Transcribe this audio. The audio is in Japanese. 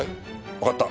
わかった。